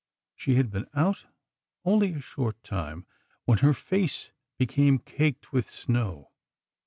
She had been out only a short time when her face became caked with snow.